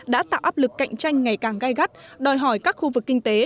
đã tạo áp lực cạnh tranh ngày càng gai gắt đòi hỏi các khu vực kinh tế